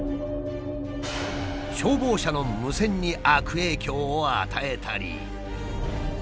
消防車の無線に悪影響を与えたり。